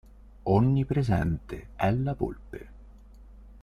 Onnipresente è la volpe.